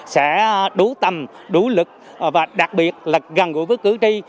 sẽ đủ tầm đủ lực và đặc biệt là gần gũi với cử tri